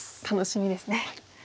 楽しみですね。